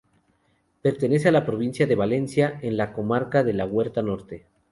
Pertenece a la provincia de Valencia, en la comarca de la Huerta Norte.